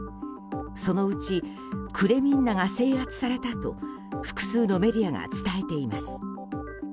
そのうちクレミンナが制圧されたと複数のメディアが伝えています。